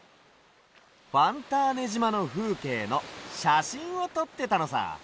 ファンターネじまのふうけいのしゃしんをとってたのさ。